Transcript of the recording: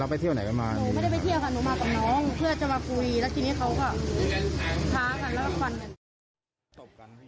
แล้วทีนี้เขาก็ท้ากันแล้วก็ควันกัน